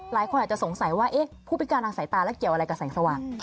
หลายคนอาจจะสงสัยว่าผู้พิการทางสายตาและเกี่ยวอะไรกับแสงสว่าง